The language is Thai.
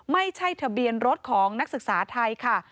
ไม่ใช่ทะเบียนรถของนักศึกษาไทยค่ะ